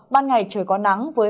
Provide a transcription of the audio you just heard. ban ngày trời có nắng